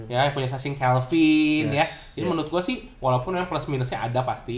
ya yang punya sizing kelvin ya jadi menurut gua sih walaupun memang plus minusnya ada pasti